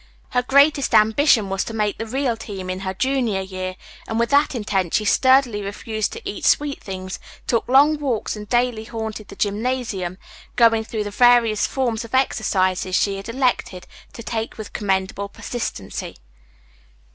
Her greatest ambition was to make the real team in her junior year, and with that intent she sturdily refused to eat sweet things, took long walks and daily haunted the gymnasium, going through the various forms of exercises she had elected to take with commendable persistency.